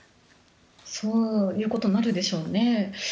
そういうことになるでしょうね。